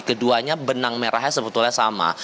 keduanya benang merahnya sebetulnya sama